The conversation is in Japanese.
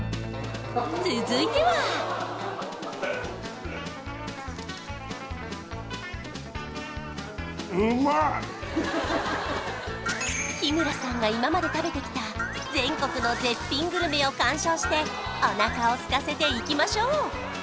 続いては日村さんが今まで食べてきた全国の絶品グルメを鑑賞してお腹をすかせていきましょう！